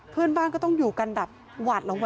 เพื่อนบ้านก็ต้องอยู่กันแบบหวาดระวั